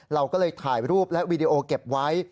เราก็เลยถ่ายรูปและวีดีโอเก็บไว้